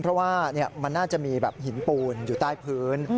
เพราะว่ามันน่าจะมีแบบหินปูนอยู่ใต้พื้น